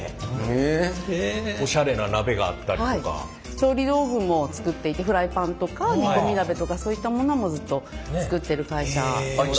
調理道具も作っていてフライパンとか煮込み鍋とかそういったものもずっと作ってる会社です。